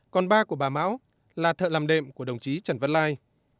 còn ba của bà mão là thợ làm đệm của đồng chí trần văn lai